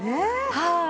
はい。